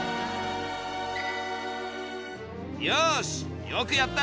よしよくやった！